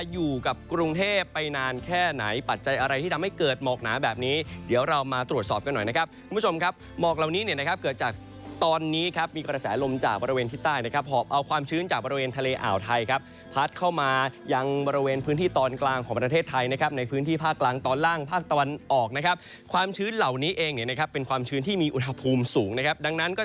อยู่กับกรุงเทพไปนานแค่ไหนปัจจัยอะไรที่ทำให้เกิดหมอกหนาแบบนี้เดี๋ยวเรามาตรวจสอบกันหน่อยนะครับคุณผู้ชมครับหมอกเหล่านี้เนี่ยนะครับเกิดจากตอนนี้ครับมีกระแสลมลมจากบริเวณที่ใต้นะครับหอบเอาความชื้นจากบริเวณทะเลอ่วไทยครับพัดเข้ามายังบริเวณพื้นที่ตอนกลางของประเทศไทยนะครับในพื้นที่ภาค